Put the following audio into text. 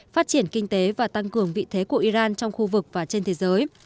phát triển kinh tế và tăng cường vị thế của iran trong khu vực và trên thế giới